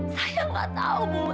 dan untuk ibu